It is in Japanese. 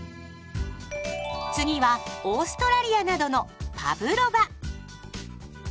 次はオーストラリアなどのパブロバ。